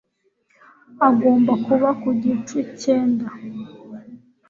Agomba kuba ku gicu cyenda